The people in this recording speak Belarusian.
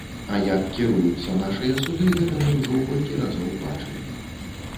А як кіруюцца нашыя суды, гэта мы ўжо колькі разоў бачылі.